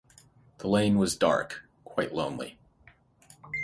The lane was dark, quite lonely.